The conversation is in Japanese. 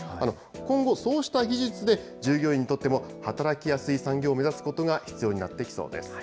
今後、そうした技術で、従業員にとっても働きやすい産業を目指すことが必要になってきそうです。